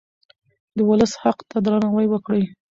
د ولس حق ته درناوی وکړئ.